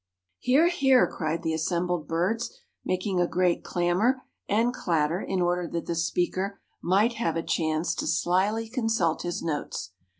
"Hear, hear!" cried the assembled birds, making a great clamor and clatter in order that the speaker might have a chance to slyly consult his notes.